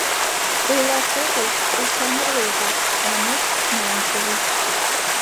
— Ойлаш огыл, ушан рвезе, — манеш нылымшыже.